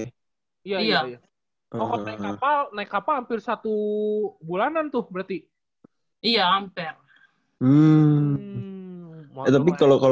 oh kalau naik kapal hampir satu bulanan tuh berarti